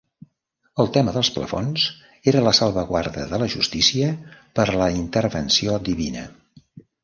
El tema dels plafons era la salvaguarda de la justícia per la intervenció divina.